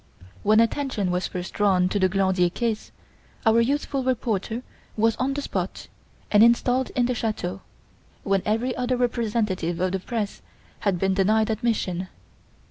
When attention was first drawn to the Glandier case, our youthful reporter was on the spot and installed in the chateau, when every other representative of the press had been denied admission.